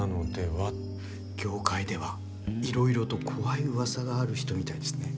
業界ではいろいろと怖いうわさがある人みたいですね。